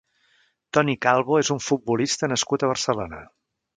Toni Calvo és un futbolista nascut a Barcelona.